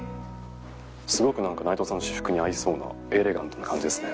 すごく内藤さんの私服に合いそうなエレガントな感じですね。